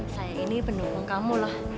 saya ini pendukung kamu loh